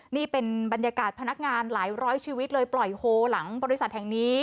นี่เป็นบรรยากาศพนักงานหลายร้อยชีวิตเลยปล่อยโฮหลังบริษัทแห่งนี้